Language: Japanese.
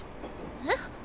えっ？